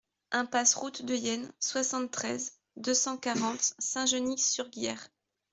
Impasse Route de Yenne, soixante-treize, deux cent quarante Saint-Genix-sur-Guiers